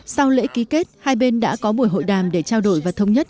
sau lễ ký kết hai bên đã có buổi hội đàm để trao đổi và thống nhất